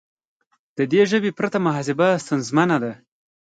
د دې ژبې پرته محاسبه ستونزمنه ده.